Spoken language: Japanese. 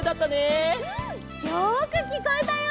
うん！よくきこえたよ。